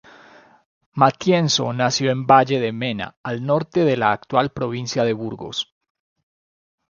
Matienzo nació en Valle de Mena, al norte de la actual provincia de Burgos.